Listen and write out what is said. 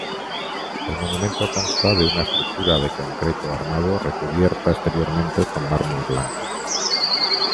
El monumento consta de una estructura de concreto armando recubierta exteriormente con mármol blanco.